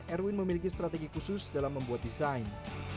erwin memiliki strategi khusus dalam membuat desain